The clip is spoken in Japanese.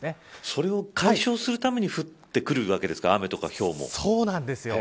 それを解消するために降ってくるわけですかそうなんですよ。